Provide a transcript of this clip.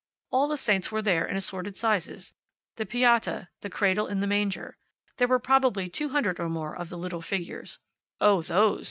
All the saints were there in assorted sizes, the Pieta, the cradle in the manger. There were probably two hundred or more of the little figures. "Oh, those!"